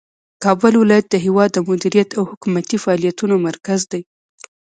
کابل ولایت د هیواد د مدیریت او حکومتي فعالیتونو مرکز دی.